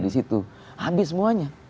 di situ habis semuanya